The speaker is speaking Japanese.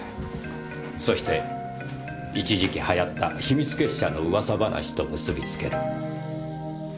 そして一時期はやった秘密結社の噂話と結びつける。